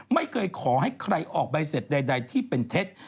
ไม่เคยขอให้ใครออกใบเสร็จใดที่เป็นเท็จ